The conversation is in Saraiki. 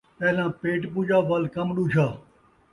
پہلاں پیٹ پوجا، ول کم ݙوجھا